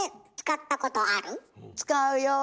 使うよ。